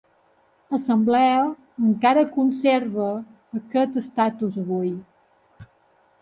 Assemblea encara conserva aquest estatus avui.